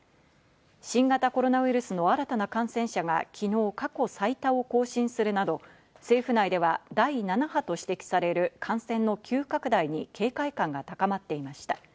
新型コロナウイルスの新たな感染者が昨日、過去最多を更新するなど、政府内では第７波と指摘される感染の急拡大に警戒感が高まっていました。